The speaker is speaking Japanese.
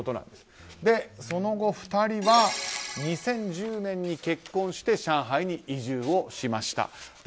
その後、２人は２０１０年に結婚して上海に移住をしました。